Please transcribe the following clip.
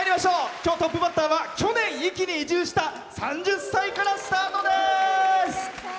今日、トップバッターは去年、壱岐に移住した３０歳からスタートです。